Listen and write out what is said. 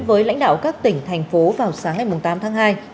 với lãnh đạo các tỉnh thành phố vào sáng ngày tám tháng hai